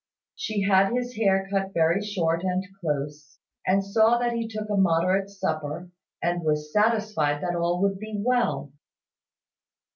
She had his hair cut very short and close, and saw that he took a moderate supper, and was satisfied that all would be well.